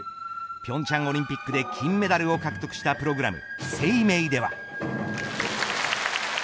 平昌オリンピックで金メダルを獲得したプログラム